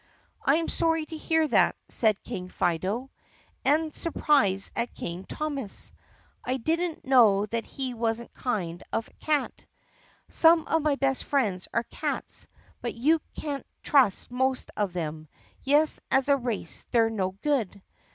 "I am sorry to hear that," said King Fido. "And surprised at King Thomas. I did n't know he was that kind of cat. Some of my best friends are cats but you can't trust most of them. Yes, as a race they 're no good."